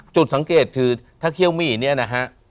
จุดสังเกตคือถ้าเขี้ยวหมี่เนี่ยนะฮะ